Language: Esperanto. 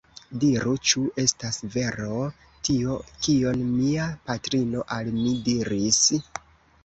Diru, ĉu estas vero tio, kion mia patrino al mi diris?